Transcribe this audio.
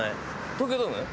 東京ドーム？